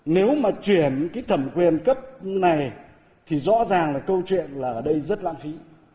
nếu mà chuyển cái thẩm quyền cấp này thì rõ ràng là câu chuyện là ở đây rất lãng phí